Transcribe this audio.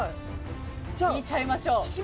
引いちゃいましょう。